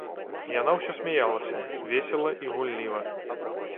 Яна ўсё смяялася, весела і гулліва.